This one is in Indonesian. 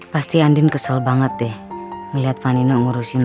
pasti andin kesel banget deh melihat panino ngurusin